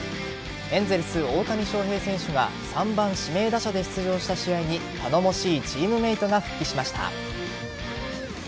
エンゼルス・大谷翔平選手が３番・指名打者で出場した試合に頼もしいチームメートが復帰しました。